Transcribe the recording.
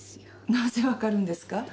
なぜ分かるんですか？